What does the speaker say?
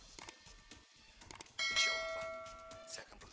insya allah pak